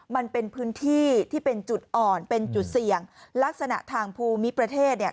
มันเป็นพื้นที่ที่เป็นจุดอ่อนเป็นจุดเสี่ยงลักษณะทางภูมิประเทศเนี่ย